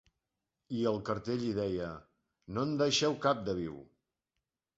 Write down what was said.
I el cartell hi deia: no en deixeu cap de viu.